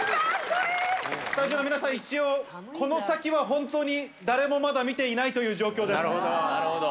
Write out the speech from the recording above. スタジオの皆さん、一応、この先は本当に誰もまだ見ていないという状況です。